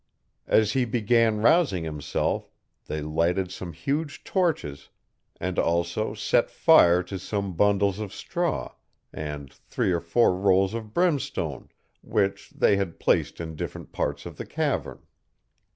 As he began rousing himself, they lighted some huge torches, and also set fire to some bundles of straw, and three or four rolls of brimstone, which they had placed in different parts of the cavern.